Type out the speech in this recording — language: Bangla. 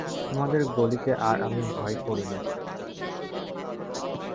তোমাদের গলিকে আর আমি ভয় করি নে।